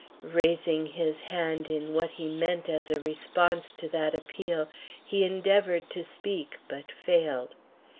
Raising his hand in what he meant as a response to that appeal, he endeavored to speak, but failed.